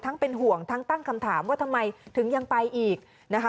ทั้งเป็นห่วงทั้งตั้งคำถามว่าทำไมถึงยังไปอีกนะคะ